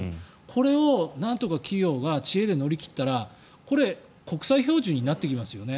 これをなんとか企業が知恵で乗り切ったらこれ、国際標準になっていきますよね。